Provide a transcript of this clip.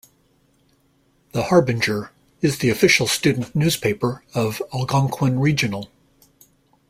"The Harbinger" is the official student newspaper of Algonquin Regional.